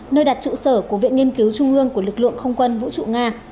nơi đặt trụ sở của viện nghiên cứu trung ương của lực lượng không quân vũ trụ nga